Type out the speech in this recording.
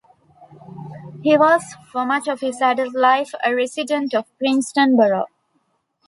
He was, for much of his adult life, a resident of Princeton Borough.